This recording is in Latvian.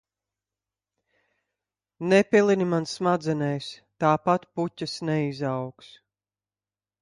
Nepilini man smadzenēs, tāpat puķes neizaugs!